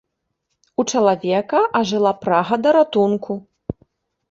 У чалавека ажыла прага да ратунку.